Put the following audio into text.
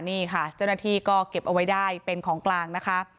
นี่ค่ะเจ้าหน้าที่ก็เก็บเอาไว้ได้เป็นของกลางนะคะ